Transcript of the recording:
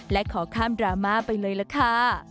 และขอข้ามดราม่าไปเลยล่ะค่ะ